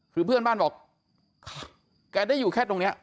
คือเพื่อนบ้านบอกแกได้อยู่แค่ตรงนี้